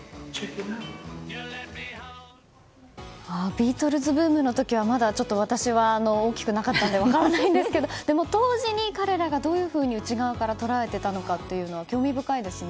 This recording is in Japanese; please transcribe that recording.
ビートルズブームの時は私は大きくなかったので分からないんですけどでも、当時に彼らがどういうふうに内側から捉えていたのか興味深いですね。